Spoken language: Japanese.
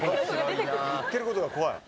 言ってることが怖い